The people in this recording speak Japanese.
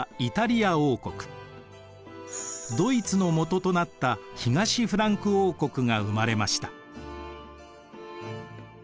ドイツのもととなった東フランク王国が生まれました。